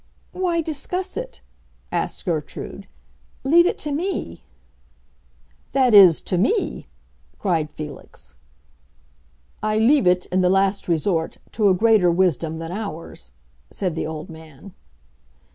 "Why discuss it?" asked Gertrude. "Leave it to me." "That is, to me!" cried Felix. "I leave it, in the last resort, to a greater wisdom than ours," said the old man.